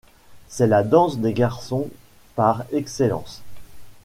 C'est la danse des garçons par excellence.